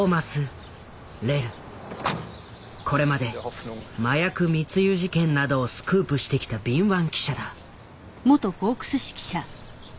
これまで麻薬密輸事件などをスクープしてきた敏腕記者だ。